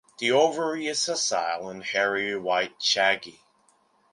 The ovary is sessile and hairy white shaggy.